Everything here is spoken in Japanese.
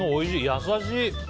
優しい。